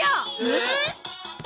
えっ？